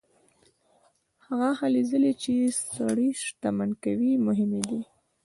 هغه هلې ځلې چې سړی شتمن کوي مهمې دي.